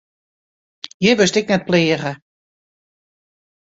Hjir wurdst ek net pleage.